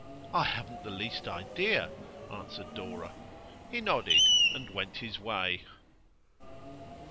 'I haven't the least idea,' answered Dora. He nodded, and went his way.